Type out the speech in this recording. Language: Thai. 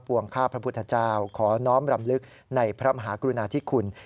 วงข้าพระพุทธเจ้าขอน้อมรำลึกในพระมหากรุณาธิคุณ